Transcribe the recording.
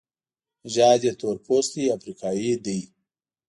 نژاد یې تورپوستی افریقایی دی.